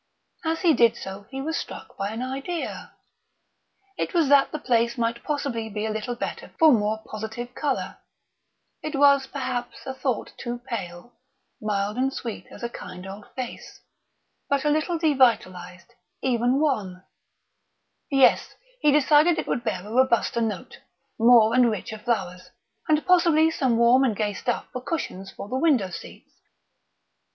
As he did so, he was struck by an idea. It was that the place might possibly be a little better for more positive colour. It was, perhaps, a thought too pale mild and sweet as a kind old face, but a little devitalised, even wan.... Yes, decidedly it would bear a robuster note more and richer flowers, and possibly some warm and gay stuff for cushions for the window seats....